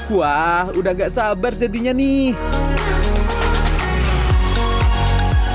wah udah gak sabar jadinya nih